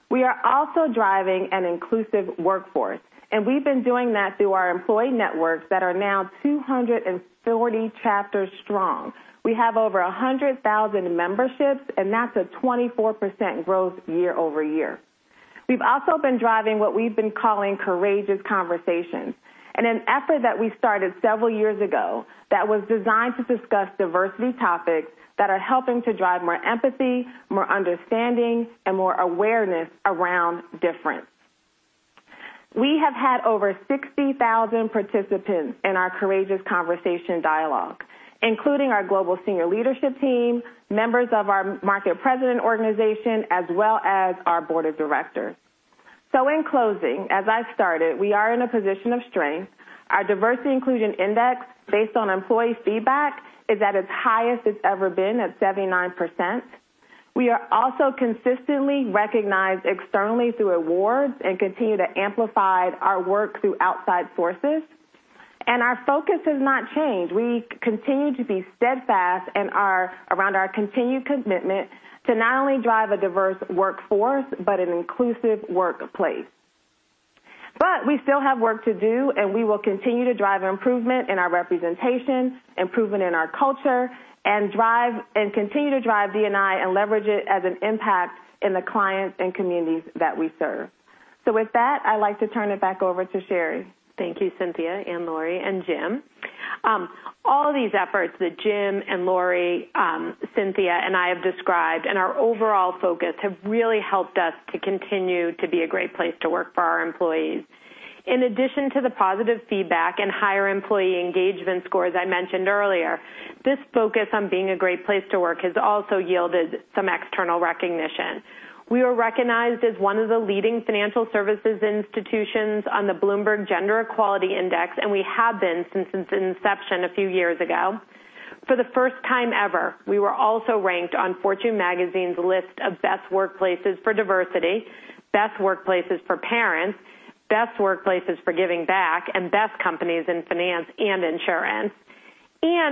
We are also driving an inclusive workforce, and we've been doing that through our employee networks that are now 240 chapters strong. We have over 100,000 memberships. That's a 24% growth year-over-year. We've also been driving what we've been calling courageous conversations, and an effort that we started several years ago that was designed to discuss diversity topics that are helping to drive more empathy, more understanding, and more awareness around difference. We have had over 60,000 participants in our courageous conversation dialogue, including our global senior leadership team, members of our market president organization, as well as our board of directors. In closing, as I've started, we are in a position of strength. Our diversity inclusion index, based on employee feedback, is at its highest it's ever been at 79%. We are also consistently recognized externally through awards and continue to amplify our work through outside forces. Our focus has not changed. We continue to be steadfast around our continued commitment to not only drive a diverse workforce, but an inclusive workplace. We still have work to do, and we will continue to drive improvement in our representation, improvement in our culture, and continue to drive D&I and leverage it as an impact in the clients and communities that we serve. With that, I'd like to turn it back over to Sheri. Thank you, Cynthia and Lori and Jim. All of these efforts that Jim and Lori, Cynthia, and I have described, and our overall focus have really helped us to continue to be a great place to work for our employees. In addition to the positive feedback and higher employee engagement scores I mentioned earlier, this focus on being a great place to work has also yielded some external recognition. We were recognized as one of the leading financial services institutions on the Bloomberg Gender-Equality Index, and we have been since its inception a few years ago. For the first time ever, we were also ranked on Fortune Magazine's list of Best Workplaces for Diversity, Best Workplaces for Parents, Best Workplaces for Giving Back, and Best Companies in Finance and Insurance.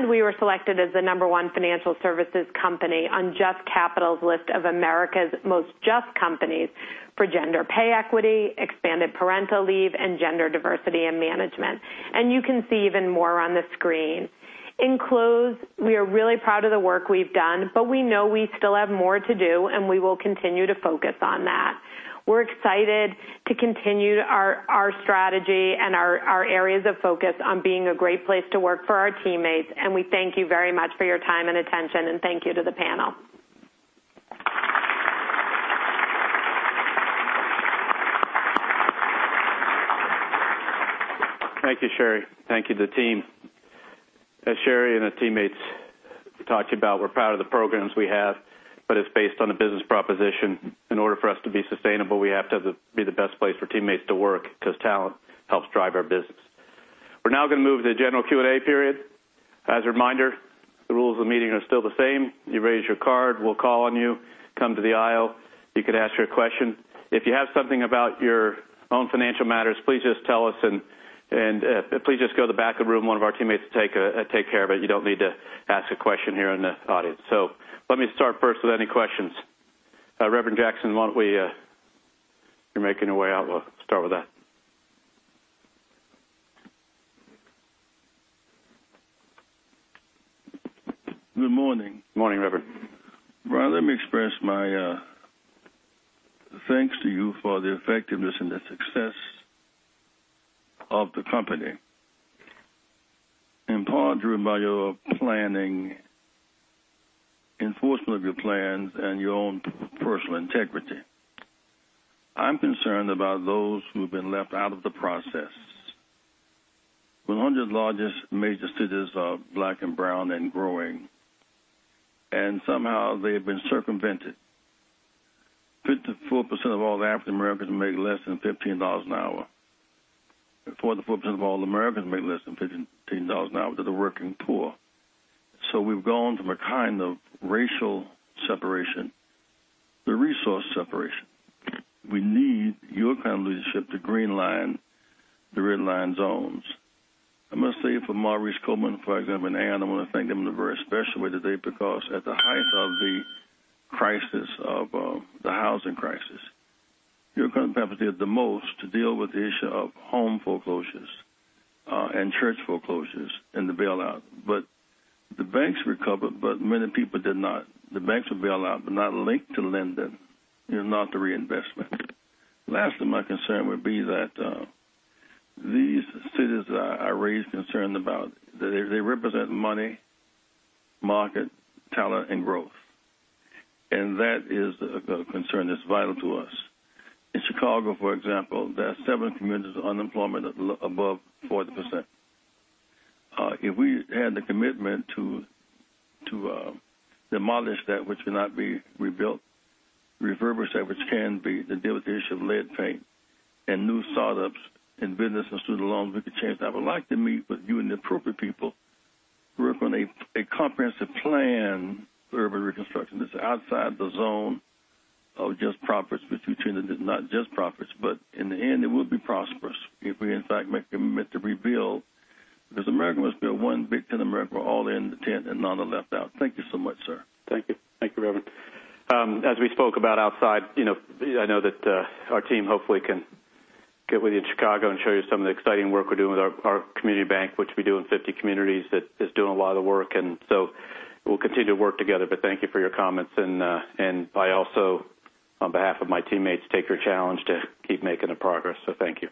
We were selected as the number one financial services company on JUST Capital's list of America's Most JUST Companies for gender pay equity, expanded parental leave, and gender diversity in management. You can see even more on the screen. In close, we are really proud of the work we've done, but we know we still have more to do, and we will continue to focus on that. We're excited to continue our strategy and our areas of focus on being a great place to work for our teammates, and we thank you very much for your time and attention, and thank you to the panel. Thank you, Sheri. Thank you to the team. As Sheri and the teammates talked about, we're proud of the programs we have, but it's based on a business proposition. In order for us to be sustainable, we have to be the best place for teammates to work because talent helps drive our business. We're now going to move to the general Q&A period. As a reminder, the rules of the meeting are still the same. You raise your card, we'll call on you, come to the aisle. You could ask your question. If you have something about your own financial matters, please just tell us and please just go to the back of the room. One of our teammates will take care of it. You don't need to ask a question here in the audience. Let me start first with any questions. Jesse Jackson, You're making your way out. We'll start with that. Good morning. Morning, Reverend. Brian, let me express my thanks to you for the effectiveness and the success of the company. In part driven by your planning, enforcement of your plans, and your own personal integrity. I'm concerned about those who've been left out of the process. 100 largest major cities are black and brown and growing, somehow they have been circumvented. 54% of all the African Americans make less than $15 an hour. 44% of all Americans make less than $15 an hour. They're the working poor. We've gone from a kind of racial separation to resource separation. We need your kind of leadership to green line the red line zones. I must say for Maurice Coleman, for example, I want to thank him in a very special way today because at the height of the crisis of the housing crisis, your company did the most to deal with the issue of home foreclosures, and church foreclosures in the bailout. But the banks recovered, but many people did not. The banks were bailed out, but not linked to lending, not the reinvestment. Lastly, my concern would be that these cities that I raised concern about, that they represent money, market, talent, and growth. That is a concern that's vital to us. In Chicago, for example, there are seven communities of unemployment above 40%. If we had the commitment to demolish that which cannot be rebuilt, refurbish that which can be, to deal with the issue of lead paint, and new startups and business and student loans, we could change that. I would like to meet with you and the appropriate people to work on a comprehensive plan for urban reconstruction that's outside the zone of just profits, between not just profits, but in the end, it will be prosperous if we in fact make a commitment to rebuild. Because America must build one big tent, America all in the tent and none are left out. Thank you so much, sir. Thank you. Thank you, Reverend. As we spoke about outside, I know that our team hopefully can get with you in Chicago and show you some of the exciting work we're doing with our community bank, which we do in 50 communities that is doing a lot of work. We'll continue to work together. Thank you for your comments. I also, on behalf of my teammates, take your challenge to keep making the progress. Thank you.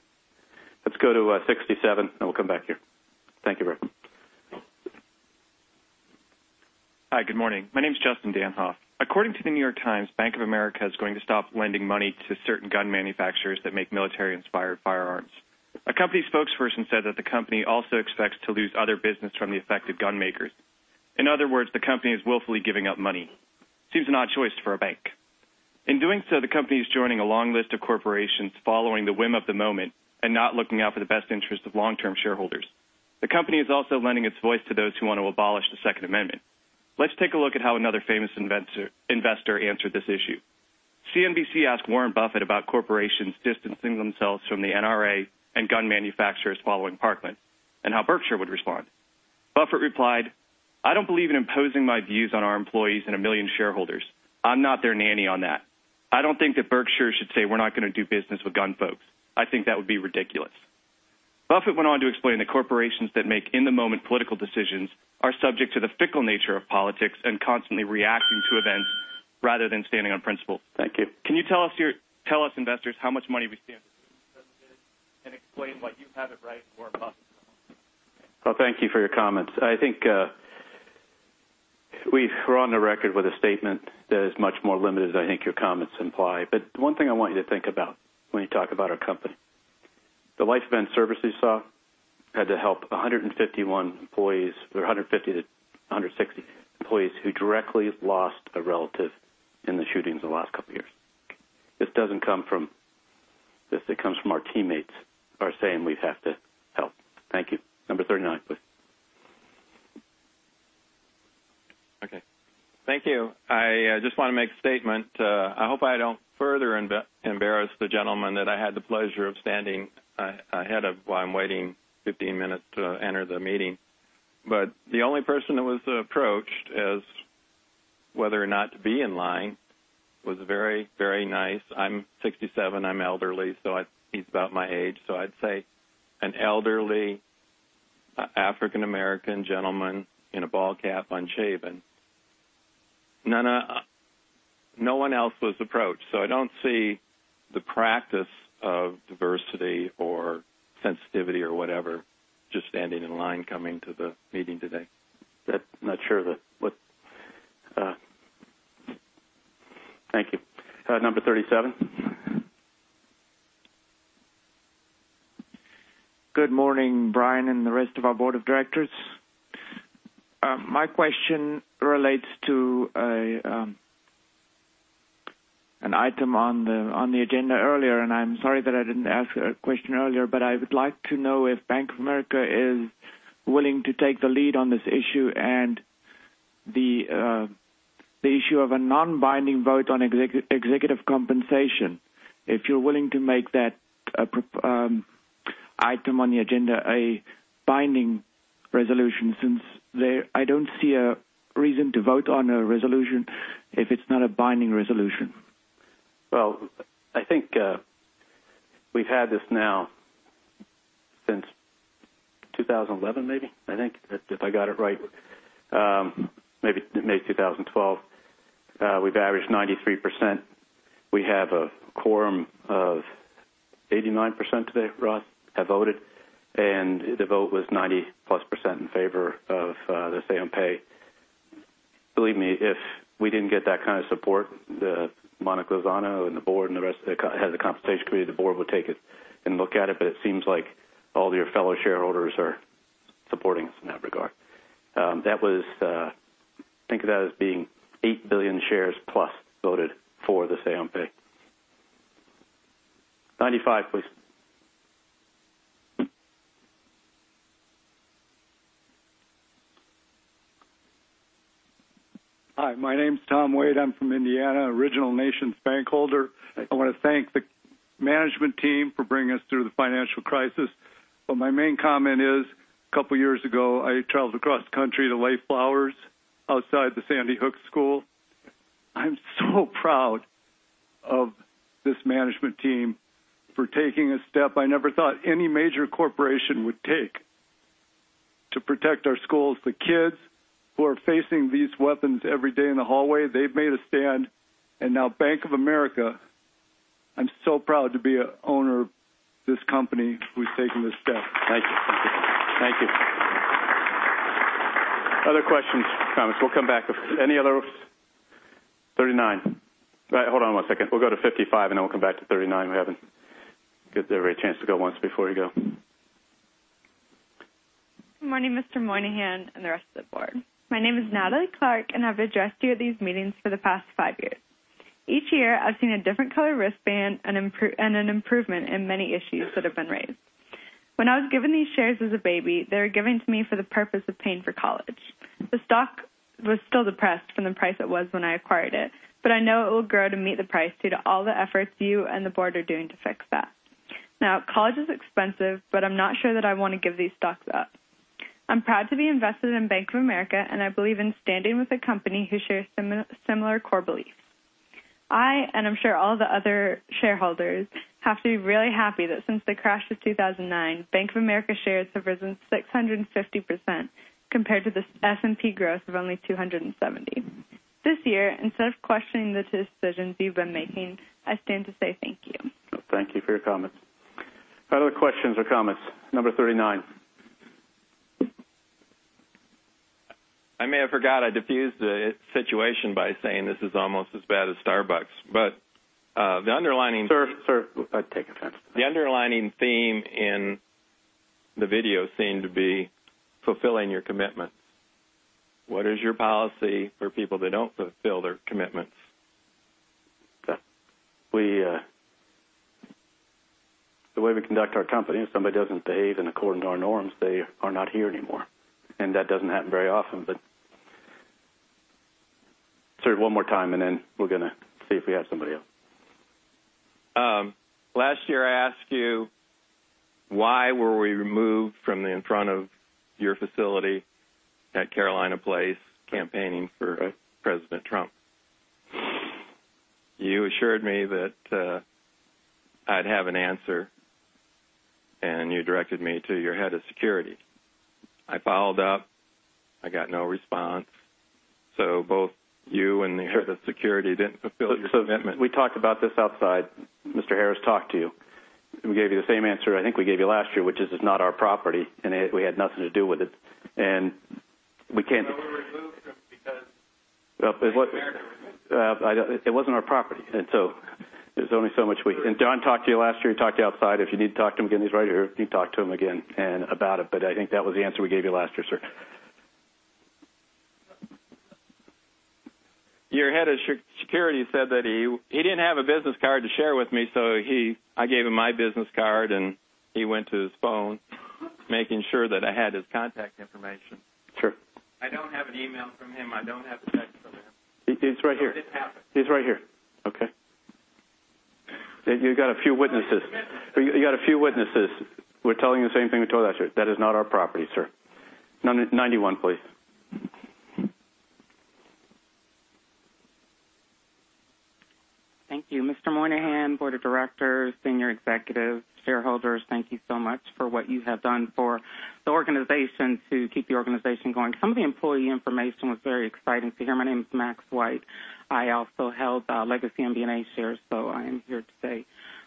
Let's go to 67, and we'll come back here. Thank you, Reverend. Hi, good morning. My name is Justin Danhoff. According to The New York Times, Bank of America is going to stop lending money to certain gun manufacturers that make military-inspired firearms. A company spokesperson said that the company also expects to lose other business from the affected gun makers. In other words, the company is willfully giving up money. Seems an odd choice for a bank. In doing so, the company is joining a long list of corporations following the whim of the moment and not looking out for the best interest of long-term shareholders. The company is also lending its voice to those who want to abolish the Second Amendment. Let's take a look at how another famous investor answered this issue. CNBC asked Warren Buffett about corporations distancing themselves from the NRA and gun manufacturers following Parkland, and how Berkshire would respond. Buffett replied, "I don't believe in imposing my views on our employees and a million shareholders. I'm not their nanny on that. I don't think that Berkshire should say we're not going to do business with gun folks. I think that would be ridiculous." Buffett went on to explain that corporations that make in-the-moment political decisions are subject to the fickle nature of politics and constantly reacting to events rather than standing on principle. Thank you. Can you tell us investors how much money we stand to lose and explain why you have it right and Warren Buffett is wrong? Well, thank you for your comments. I think we're on the record with a statement that is much more limited than I think your comments imply. One thing I want you to think about when you talk about our company, the Life Event Services saw had to help 150-160 employees who directly lost a relative in the shootings in the last couple of years. This doesn't come from this. It comes from our teammates are saying we have to help. Thank you. Number 39, please. Okay. Thank you. I just want to make a statement. I hope I don't further embarrass the gentleman that I had the pleasure of standing ahead of while I'm waiting 15 minutes to enter the meeting. The only person that was approached as whether or not to be in line was very nice. I'm 67, I'm elderly, so he's about my age. I'd say an elderly African-American gentleman in a ball cap, unshaven. No one else was approached. I don't see the practice of diversity or sensitivity or whatever, just standing in line coming to the meeting today. I'm not sure. Thank you. Number 37. Good morning, Brian and the rest of our board of directors. My question relates to an item on the agenda earlier. I'm sorry that I didn't ask a question earlier, but I would like to know if Bank of America is willing to take the lead on this issue and the issue of a non-binding vote on executive compensation. If you're willing to make that item on the agenda a binding resolution, since I don't see a reason to vote on a resolution if it's not a binding resolution. Well, I think we've had this now since 2011, maybe. I think, if I got it right. Maybe 2012. We've averaged 93%. We have a quorum of 89% today, Ross, have voted. The vote was 90+% in favor of the say on pay. Believe me, if we didn't get that kind of support, Monica Lozano and the board and the rest of the head of the compensation committee of the board would take it and look at it, but it seems like all your fellow shareholders are supporting us in that regard. Think of that as being 8 billion shares plus voted for the say on pay. 95, please. Hi, my name's Tom Wade. I'm from Indiana, original NationsBank holder. Thank you. I want to thank the management team for bringing us through the financial crisis. My main comment is, a couple of years ago, I traveled across the country to lay flowers outside the Sandy Hook School. I'm so proud of this management team for taking a step I never thought any major corporation would take to protect our schools. The kids who are facing these weapons every day in the hallway, they've made a stand. Now Bank of America, I'm so proud to be an owner of this company who's taken this step. Thank you. Other questions, comments? We'll come back. Any other 39. Hold on one second. We'll go to 55 and then we'll come back to 39. We haven't given everybody a chance to go once before you go. Good morning, Mr. Moynihan and the rest of the board. My name is Natalie Clark. I've addressed you at these meetings for the past five years. Each year, I've seen a different color wristband and an improvement in many issues that have been raised. When I was given these shares as a baby, they were given to me for the purpose of paying for college. The stock was still depressed from the price it was when I acquired it. I know it will grow to meet the price due to all the efforts you and the board are doing to fix that. Now, college is expensive, but I'm not sure that I want to give these stocks up. I'm proud to be invested in Bank of America. I believe in standing with a company who shares similar core beliefs. I, and I'm sure all the other shareholders, have to be really happy that since the crash of 2009, Bank of America shares have risen 650% compared to the S&P growth of only 270%. This year, instead of questioning the decisions you've been making, I stand to say thank you. Thank you for your comments. Other questions or comments? Number 39. I may have forgot I defused the situation by saying this is almost as bad as Starbucks. Sir, I take offense to that. The underlying theme in the video seemed to be fulfilling your commitments. What is your policy for people that don't fulfill their commitments? The way we conduct our company, if somebody doesn't behave and according to our norms, they are not here anymore. That doesn't happen very often, but Sir, one more time, and then we're going to see if we have somebody else. Last year, I asked you, why were we removed from in front of your facility at Carolina Place campaigning for President Trump? You assured me that I'd have an answer, and you directed me to your head of security. I followed up. I got no response. Both you and the head of security didn't fulfill your commitment. We talked about this outside. Mr. Harris talked to you. We gave you the same answer I think we gave you last year, which is it's not our property and we had nothing to do with it. No, we removed him because. It wasn't our property, there's only so much we. John talked to you last year. He talked to you outside. If you need to talk to him again, he's right here. You can talk to him again about it, I think that was the answer we gave you last year, sir. Your head of security said that he didn't have a business card to share with me, I gave him my business card, he went to his phone making sure that I had his contact information. Sure. I don't have an email from him. I don't have a text from him. He's right here. It didn't happen. He's right here. Okay? You got a few witnesses. You got a few witnesses. We're telling you the same thing we told last year. That is not our property, sir. 91, please. Thank you. Mr. Moynihan, board of directors, senior executive, shareholders, thank you so much for what you have done for the organization to keep the organization going. Some of the employee information was very exciting to hear. My name is Max White. I also held legacy MBNA shares. I am here today.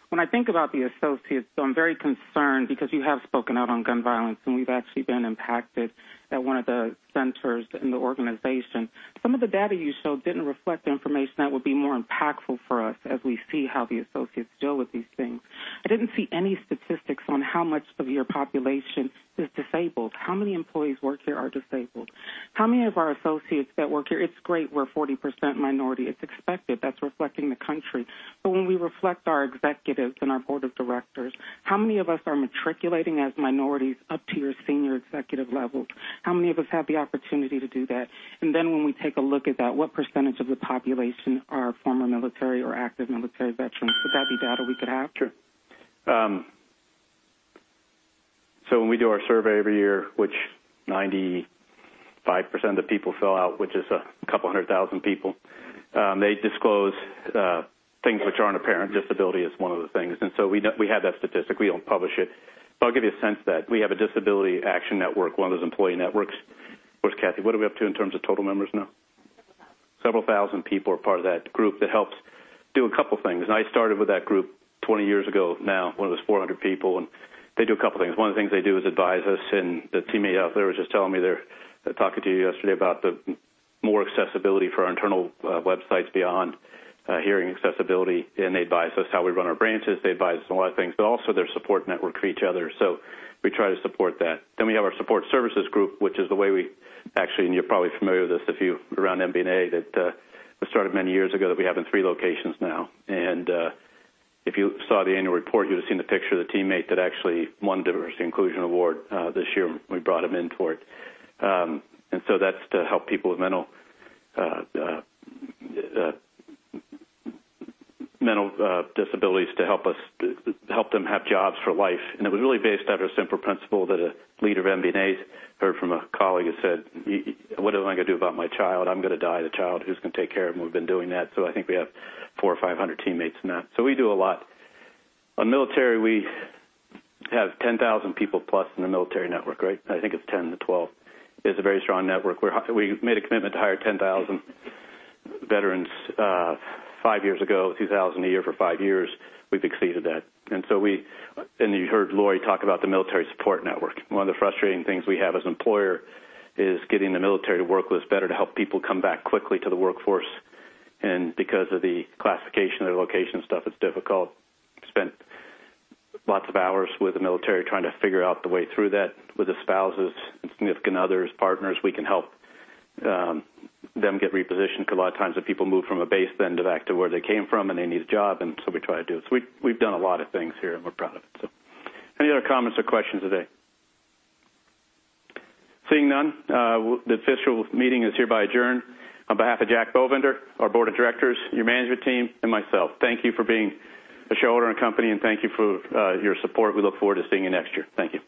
When I think about the associates, though, I'm very concerned because you have spoken out on gun violence, and we've actually been impacted at one of the centers in the organization. Some of the data you showed didn't reflect information that would be more impactful for us as we see how the associates deal with these things. I didn't see any statistics on how much of your population is disabled. How many employees work here are disabled? It's great we're 40% minority. It's expected. That's reflecting the country. When we reflect our executives and our Board of Directors, how many of us are matriculating as minorities up to your senior executive levels? How many of us have the opportunity to do that? When we take a look at that, what percentage of the population are former military or active military veterans? Would that be data we could have? Sure. When we do our survey every year, which 95% of the people fill out, which is a couple 100,000 people, they disclose things which aren't apparent. Disability is one of the things. We have that statistic. We don't publish it. I'll give you a sense that we have a Disability Action Network, one of those employee networks. Where's Cathy? What are we up to in terms of total members now? Several thousand. Several thousand people are part of that group that helps do a couple things. I started with that group 20 years ago now, one of those 400 people. They do a couple things. One of the things they do is advise us. The teammate out there was just telling me they were talking to you yesterday about more accessibility for our internal websites beyond hearing accessibility. They advise us how we run our branches. They advise us on a lot of things. Also they're a support network for each other. We try to support that. We have our Support Services Group, which is the way we actually, and you're probably familiar with this if you're around MBNA, that was started many years ago that we have in three locations now. If you saw the annual report, you would've seen the picture of the teammate that actually won Diversity and Inclusion Award this year. We brought him in for it. That's to help people with mental disabilities to help them have jobs for life. It was really based out of a simple principle that a leader of MBNA heard from a colleague who said, "What am I going to do about my child? I'm going to die. The child, who's going to take care of him?" We've been doing that. I think we have 400 or 500 teammates in that. We do a lot. On military, we have 10,000 people plus in the military network, right? I think it's 10 to 12. It's a very strong network. We made a commitment to hire 10,000 veterans five years ago, 2,000 a year for five years. We've exceeded that. You heard Lori talk about the military support network. One of the frustrating things we have as employer is getting the military to work with us better to help people come back quickly to the workforce. Because of the classification of the location stuff, it's difficult. Spent lots of hours with the military trying to figure out the way through that with the spouses and significant others, partners. We can help them get repositioned because a lot of times the people move from a base then to back to where they came from and they need a job, we try to do it. We've done a lot of things here and we're proud of it. Any other comments or questions today? Seeing none, the official meeting is hereby adjourned. On behalf of Jack Bovender, our board of directors, your management team, and myself, thank you for being a shareholder in company, thank you for your support. We look forward to seeing you next year. Thank you.